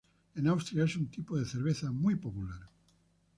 En Austria es un tipo de cerveza muy popular.